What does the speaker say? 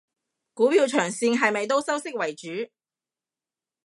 股票長線係咪都收息為主？